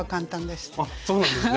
あっそうなんですね。